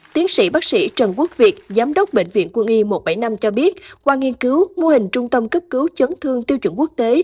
tiến sĩ bác sĩ trần quốc việt giám đốc bệnh viện quân y một trăm bảy mươi năm cho biết qua nghiên cứu mô hình trung tâm cấp cứu chấn thương tiêu chuẩn quốc tế